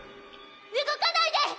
動かないで！